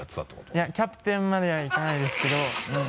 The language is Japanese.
いやキャプテンまではいかないですけど。